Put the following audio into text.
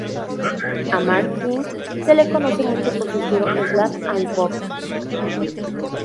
A Mark King se le conoce mucho por su estilo slap and pop.